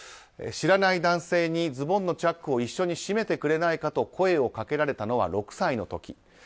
知らない男性にズボンのチャックを一緒に閉めてくれないかと声をかけられたのは６歳の時。